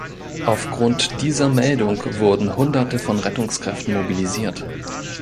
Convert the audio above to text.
Aufgrund dieser Meldung wurden Hunderte von Rettungskräften mobilisiert.